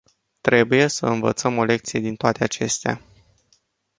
Trebuie să învățăm o lecție din toate acestea.